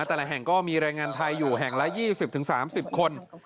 แต่ละแห่งก็มีแรงงานไทยอยู่แห่งละ๒๐๓๐คน